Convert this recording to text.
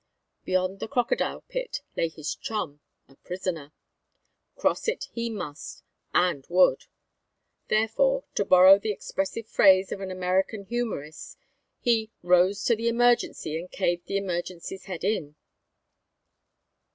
Beyond the crocodile pit lay his chum, a prisoner. Cross it he must, and would. Therefore, to borrow the expressive phrase of an American humorist, he "rose to the emergency and caved the emergency's head in."